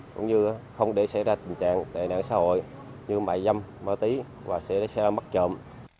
cũng như không để xảy ra tình trạng tệ nạn xã hội như mại dâm mơ tí và sẽ ra mắc trộm